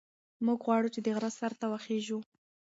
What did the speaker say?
موږ غواړو چې د غره سر ته وخېژو.